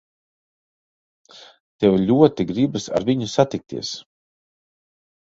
Tev ļoti gribas ar viņu satikties.